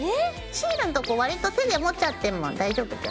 シールんとこわりと手で持っちゃっても大丈夫だよ。